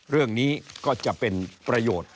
เรื่องนี้ก็จะเป็นประโยชน์